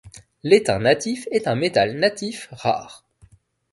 L'étain natif est un métal natif rare.